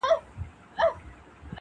• لا د لښتو بارانونه وي درباندي -